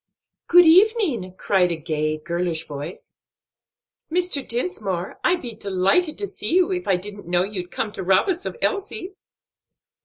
"Good evening!" cried a gay, girlish voice. "Mr. Dinsmore, I'd be delighted to see you, if I didn't know you'd come to rob us of Elsie."